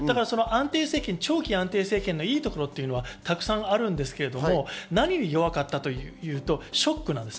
長期安定政権のいいところっていうのはたくさんあるんですけど、何に弱かったかというと、ショックです。